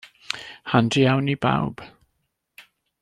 Handi iawn i bawb.